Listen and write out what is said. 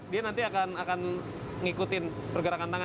dia nanti akan ngikutin pergerakan tangan